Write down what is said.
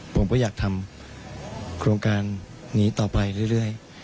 ผมก็อยากทำโครงการนี้ต่อไปเรื่อย